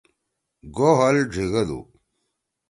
گو ہل ڙیِگَدُو۔